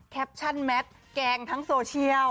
แคปชั่นแมทแกล้งทั้งโซเชียล